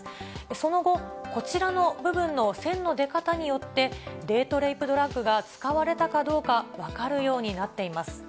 その後、こちらの部分の線の出方によって、デート・レイプ・ドラッグが使われたかどうか、分かるようになっています。